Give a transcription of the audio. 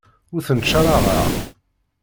Ur tent-ttcaṛaɛeɣ.